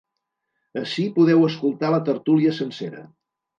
Ací podeu escoltar la tertúlia sencera.